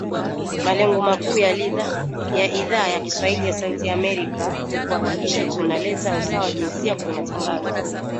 Malengo makuu ya Idhaa ya kiswahili ya Sauti ya Amerika ni kuhakikisha tuna leta usawa wa jinsia kwenye matangazo